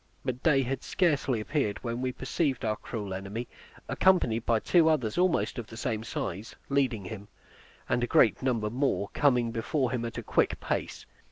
But day had scarcely appeared when we perceived our cruel enemy, accompanied by two others, almost of the same size, leading him; and a great number more coming before him at a quick pace.